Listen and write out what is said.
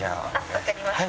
わかりました。